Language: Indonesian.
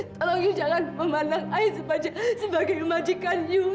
tolong you jangan memandang saya sebagai majikan you